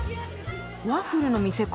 ワッフルの店か。